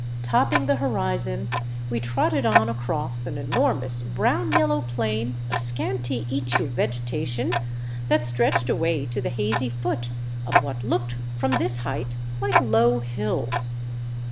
Topping the horizon, we trotted on across an enormous, brown yellow plain of scanty ichu vege tation that stretched away to the hazy foot of what looked from this height like low hills.